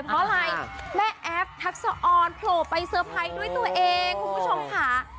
เพราะอะไรแม่แอฟทักษะออนโผล่ไปเซอร์ไพรส์ด้วยตัวเองคุณผู้ชมค่ะ